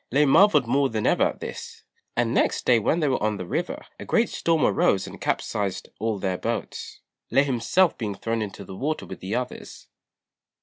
Lê marvelled more than ever at this; and next day when they were on the river a great storm arose and capsized all their boats, Lê himself being thrown into the water with the others.